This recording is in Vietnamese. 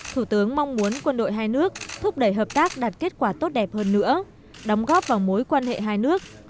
thủ tướng mong muốn quân đội hai nước thúc đẩy hợp tác đạt kết quả tốt đẹp hơn nữa đóng góp vào mối quan hệ hai nước